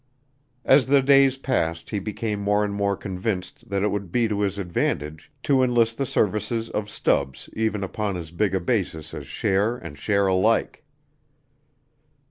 As the days passed he became more and more convinced that it would be to his advantage to enlist the services of Stubbs even upon as big a basis as share and share alike.